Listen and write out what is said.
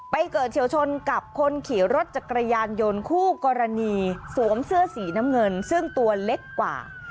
เกิดเฉียวชนกับคนขี่รถจักรยานยนต์คู่กรณีสวมเสื้อสีน้ำเงินซึ่งตัวเล็กกว่า